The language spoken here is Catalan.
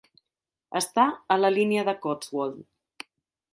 Està a la línia de Cotswold.